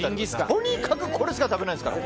とにかくこれしか食べないですから。